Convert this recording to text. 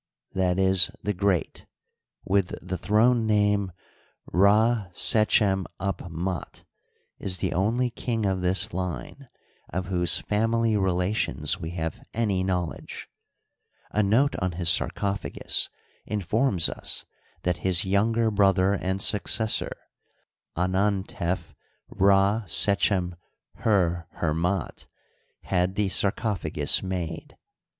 e., the Great), with the throne name Rd sechem'Up'fndt, is the only king of this line of whose family relations we have any knowledge. A note on his sarcophagus informs us that his younger brother and successor, Anantef Rdsechem'herher'fndt, had the sarcophagus made.